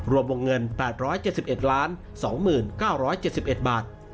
รวมวงเงิน๘๗๑๒๙๗๑บาท